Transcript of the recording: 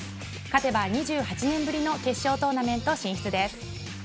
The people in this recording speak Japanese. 勝てば２８年ぶりの決勝トーナメント進出です。